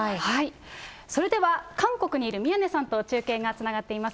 それでは韓国にいる宮根さんと中継がつながっています。